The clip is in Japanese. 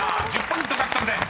１０ポイント獲得です］